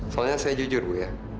soalnya saya jujur bu ya